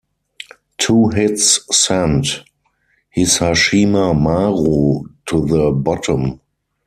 Two hits sent "Hisashima Maru" to the bottom.